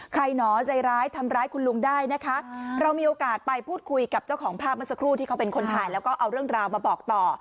หนอใจร้ายทำร้ายคุณลุงได้นะคะเรามีโอกาสไปพูดคุยกับเจ้าของภาพเมื่อสักครู่ที่เขาเป็นคนถ่ายแล้วก็เอาเรื่องราวมาบอกต่อ